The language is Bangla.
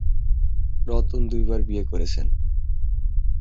রতন দুইবার বিয়ে করেছেন।